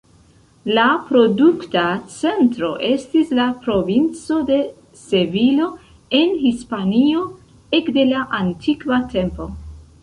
La produkta centro estis la provinco de Sevilo en Hispanio ekde la antikva tempo.